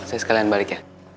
saya sekalian balik ya